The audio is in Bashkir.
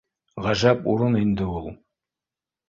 Ғәжәп урын инде ул